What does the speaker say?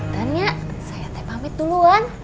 dan ya saya tepamit duluan